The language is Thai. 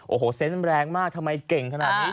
โอ้โหเซนต์แรงมากทำไมเก่งขนาดนี้